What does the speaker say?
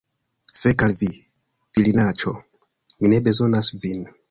Fek al vi, virinaĉo! Mi ne bezonas vin.